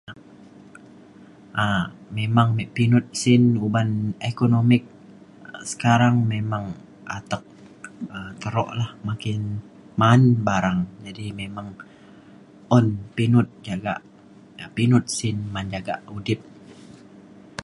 um memang me pinut sin uban economic sekarang memang atek um teruk lah makin ma’an barang. jadi memang un pinut jagak pinut sin man jagak udip